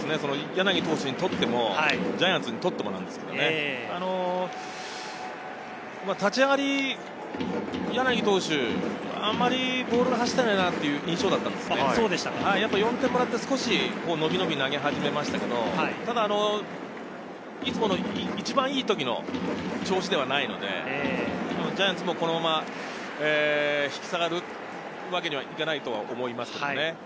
柳投手にとってもジャイアンツにとってもなんですけど、立ち上がりの柳投手、あまりボールが走っていないなという印象だったんですけど、４点もらって少しのびのび投げ始めましたけど、いつもの一番いい時の調子ではないので、ジャイアンツもこのまま引き下がるわけにはいかないと思いますけどね。